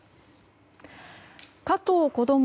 加藤こども